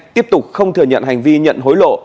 tiếp tục không thừa nhận hành vi nhận hối lộ